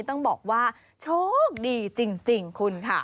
ต้องบอกว่าโชคดีจริงคุณค่ะ